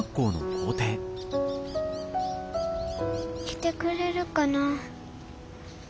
来てくれるかな。